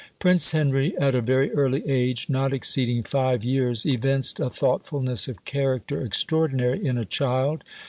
Prince Henry, at a very early age, not exceeding five years, evinced a thoughtfulness of character, extraordinary in a child.